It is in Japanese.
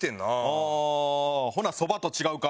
ああほなそばと違うか。